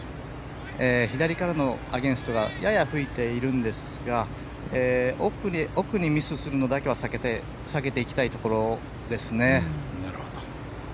左からのアゲンストがやや吹いているんですが奥にミスするのだけは避けていきたいところですね。